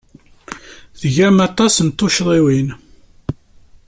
Tgamt aṭas n tuccḍiwin.